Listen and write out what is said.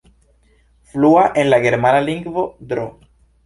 Flua en la germana lingvo, Dro.